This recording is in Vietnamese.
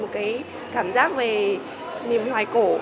một cái cảm giác về niềm hoài cổ